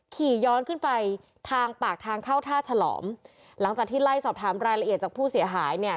ขี่ย้อนขึ้นไปทางปากทางเข้าท่าฉลอมหลังจากที่ไล่สอบถามรายละเอียดจากผู้เสียหายเนี่ย